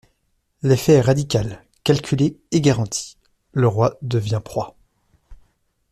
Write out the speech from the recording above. L’effet est radical, calculé et garanti: le roi devient proie.